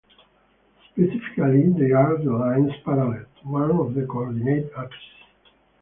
Specifically, they are the lines parallel to one of the coordinate axes.